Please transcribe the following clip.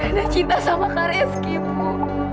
nanda cinta sama kak rezki ibu